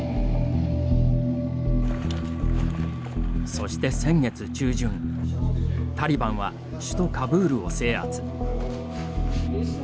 そして、先月中旬タリバンは首都カブールを制圧。